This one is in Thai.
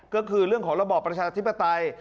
ก็คือเรื่องของระบอบประชาธิปไตย